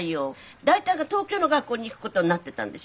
大体が東京の学校に行くことになってたんでしょ？